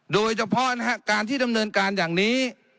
โดยเฉพาะการที่ดำเนินการอย่างนี้